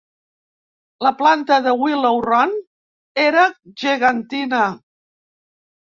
La planta de Willow Run era gegantina.